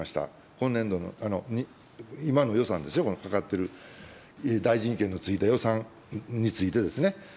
本年度の、今の予算ですよ、このかかってる、大臣意見のついた予算についてですね。